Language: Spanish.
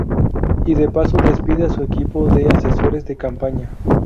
Y de paso despide a su equipo de asesores de campaña.